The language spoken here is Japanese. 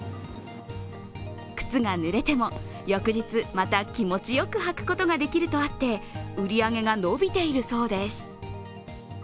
靴がぬれても翌日、また気持ちよく履くことができるとあって売り上げが伸びているそうです。